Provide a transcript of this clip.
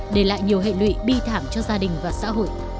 để lại nhiều hệ lụy bi thảm cho gia đình và xã hội